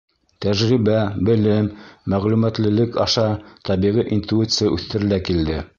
Тәжрибә, белем, мәғлүмәтлелек аша тәбиғи интуиция үҫтерелә килде.